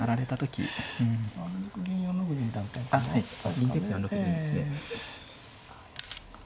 銀出て４六銀ですね。